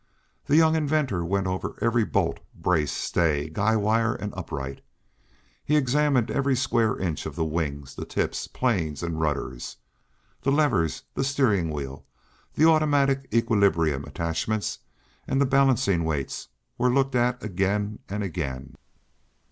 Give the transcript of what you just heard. The young inventor went over every bolt, brace, stay, guy wire and upright. He examined every square inch of the wings, the tips, planes and rudders. The levers, the steering wheel, the automatic equilibrium attachments and the balancing weights were looked at again and again.